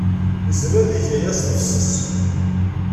Yezmer ad yeg aya s tefses.